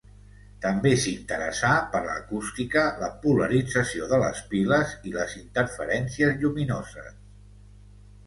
També s'interessà per l'acústica, la polarització de les piles i les interferències lluminoses.